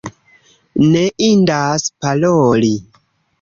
Ne indas paroli.